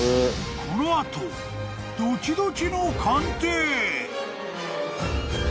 ［この後ドキドキの鑑定！］